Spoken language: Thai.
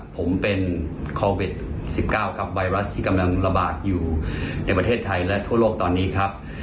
ผมเป็นโควิด๑๙ครับไวรัสที่กำลังระบาดอยู่ในประเทศไทยและทั่วโลกตอนนี้ครับ